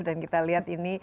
dan kita lihat ini